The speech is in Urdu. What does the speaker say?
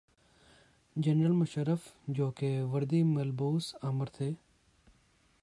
جنرل مشرف جوکہ وردی ملبوس آمر تھے۔